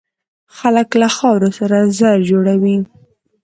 خلک له خاورو سره زر جوړوي.